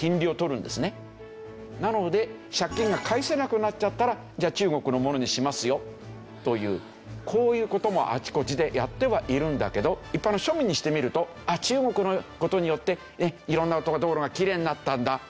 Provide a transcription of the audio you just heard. なので借金が返せなくなっちゃったらじゃあ中国のものにしますよというこういう事もあちこちでやってはいるんだけど一般の庶民にしてみると中国によって色んな道路がきれいになったんだ。